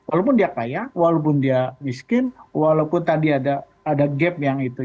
walaupun dia kaya walaupun dia miskin walaupun tadi ada gap yang itu